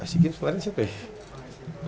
ac games kemarin siapa ya